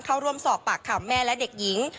เข้าร่วมสอบปากคำแม่และเด็กหญิง